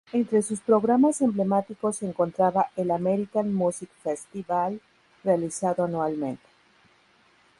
Entre sus programas emblemáticos se encontraba el "American Music Festival", realizado anualmente.